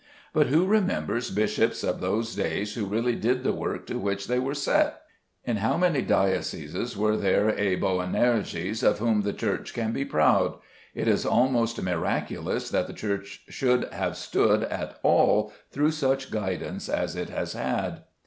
But who remembers bishops of those days who really did the work to which they were set? In how many dioceses was there a Boanerges of whom the Church can be proud? It is almost miraculous that the Church should have stood at all through such guidance as it has had.